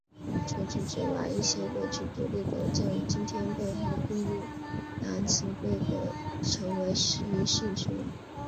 除此之外一些过去独立的镇今天被合并入兰茨贝格成为其市区。